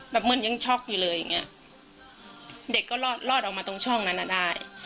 เหมือนยังช็อกอยู่เลยอย่างเงี้ยเด็กก็รอดรอดออกมาตรงช่องนั้นอ่ะได้